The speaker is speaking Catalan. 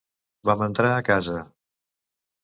Vam entrar a casa.